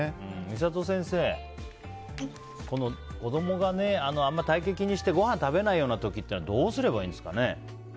みさと先生、子供があんまり体形を気にしてごはん食べないような時はどうすればいいんですかね。